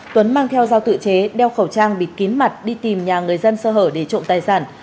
tuấn mang theo dao tự chế đeo khẩu trang bịt kín mặt đi tìm nhà người dân sơ hở để trộm tài sản